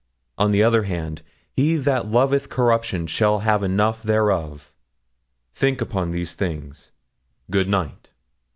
On the other hand, he that loveth corruption shall have enough thereof. Think upon these things. Good night.'